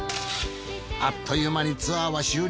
あっという間にツアーは終了。